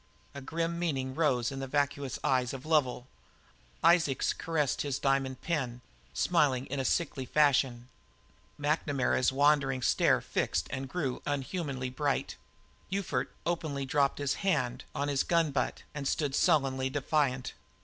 A grim meaning rose in the vacuous eye of Lovel; Isaacs caressed his diamond pin, smiling in a sickly fashion; McNamara's wandering stare fixed and grew unhumanly bright; Ufert openly dropped his hand on his gun butt and stood sullenly defiant.